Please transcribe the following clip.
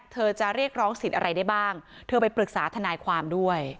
จะเรียกร้องสิทธิ์อะไรได้บ้างเธอไปปรึกษาทนายความด้วย